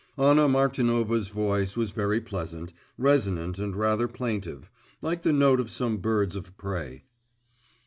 Anna Martinovna's voice was very pleasant, resonant and rather plaintive like the note of some birds of prey.